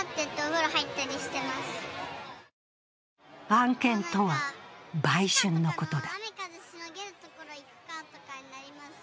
案件とは、売春のことだ。